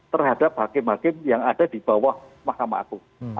terhadap hakim hakim yang ada di bawah mahkamah agung